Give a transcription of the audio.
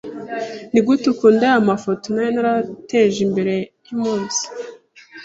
Nigute ukunda aya mafoto? Nari narateje imbere uyu munsi.